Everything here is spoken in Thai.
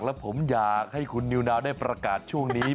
แล้วผมอยากให้คุณนิวนาวได้ประกาศช่วงนี้